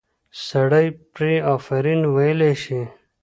سړی پرې آفرین ویلی شي.